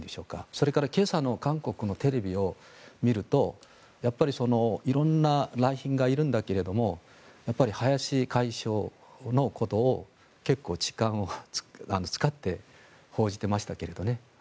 それから今朝の韓国のテレビを見るとやっぱり色んな来賓がいるんだけれど林外相のことを結構、時間を使って報じていましたけれどね。